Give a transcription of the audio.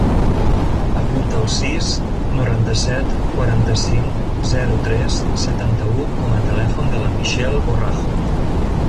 Apunta el sis, noranta-set, quaranta-cinc, zero, tres, setanta-u com a telèfon de la Michelle Borrajo.